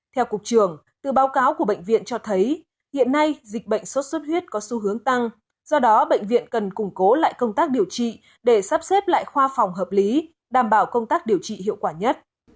theo cục trường từ báo cáo của bệnh viện cho thấy hiện nay dịch bệnh sốt xuất huyết có xu hướng tăng do đó bệnh viện cần củng cố lại công tác điều trị để sắp xếp lại khoa phòng hợp lý đảm bảo công tác điều trị hiệu quả nhất